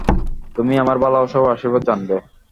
তুমি আমার ভালবাসা ও আশীর্বাদ জানবে।